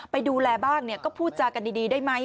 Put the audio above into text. ไปดูแลบ้างก็พูดจากันดีได้ไหม